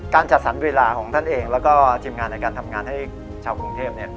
จัดสรรเวลาของท่านเองแล้วก็ทีมงานในการทำงานให้ชาวกรุงเทพ